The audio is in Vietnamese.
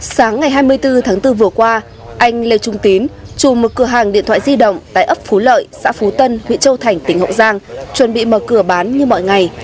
sáng ngày hai mươi bốn tháng bốn vừa qua anh lê trung tín chủ một cửa hàng điện thoại di động tại ấp phú lợi xã phú tân huyện châu thành tỉnh hậu giang chuẩn bị mở cửa bán như mọi ngày